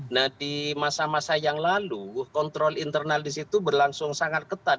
nah di masa masa yang lalu kontrol internal di situ berlangsung sangat ketat